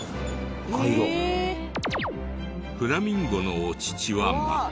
フラミンゴのお乳は真っ赤。